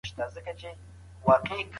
هر څوک نسي کولی چي د ادب تفسیر وکړي.